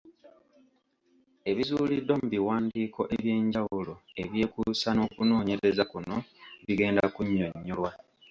Ebizuuliddwa mu biwandiiko eby’enjawulo ebyekuusa n’okunoonyereza kuno bigenda kunnyonnyolwa.